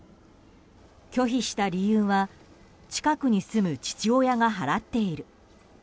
拒否した理由は近くに住む父親が払っている。